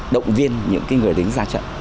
động viên những cái người lính ra trận